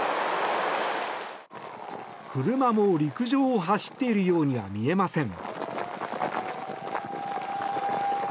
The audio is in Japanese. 車も陸上を走っているようには見えません。